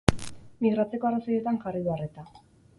Migratzeko arrazoietan jarri du arreta.